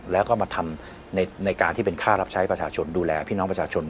แล้วก็มาทำในการที่เป็นค่ารับใช้ประชาชนดูแลพี่น้องประชาชน